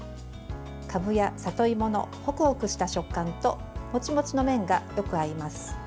かぶや里芋のホクホクした食感とモチモチの麺がよく合います。